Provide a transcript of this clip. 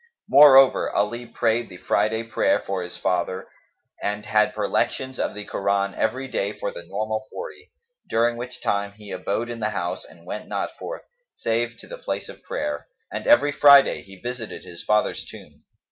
Moreover, Ali prayed the Friday prayer for his father and had perlections of the Koran every day for the normal forty, during which time he abode in the house and went not forth, save to the place of prayer; and every Friday he visited his father's tomb.